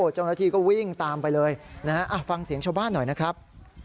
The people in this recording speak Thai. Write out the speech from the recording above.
เจ้าหน้าที่ก็วิ่งตามไปเลยนะฮะฟังเสียงชาวบ้านหน่อยนะครับ